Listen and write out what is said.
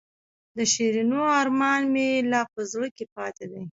د شیرینو ارمان مې لا په زړه کې پاتې دی.